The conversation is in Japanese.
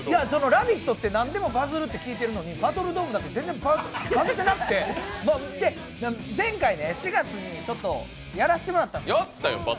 「ラヴィット！」って何でもバズるって聞いてるのにバトルドームだけ全然バズってなくて前回、４月にやらせてもらったんですよ。